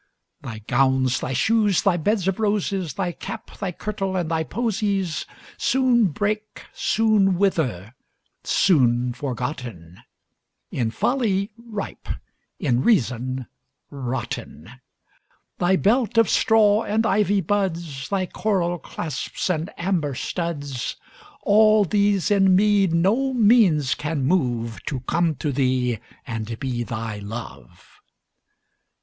Thy gowns, thy shoes, thy beds of roses, Thy cap, thy kirtle, and thy posies, Soon break, soon wither—soon forgotten, In folly ripe, in reason rotten. Thy belt of straw and ivy buds, Thy coral clasps and amber studs,—All these in me no means can moveTo come to thee and be thy Love.